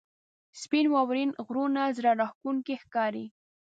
• سپین واورین غرونه زړه راښکونکي ښکاري.